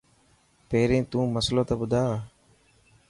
پهرين تو مصلو ته ٻڌا.